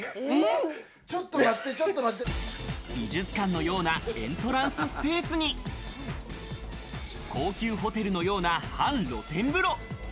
美術館のようなエントランススペースに、高級ホテルのような半露天風呂。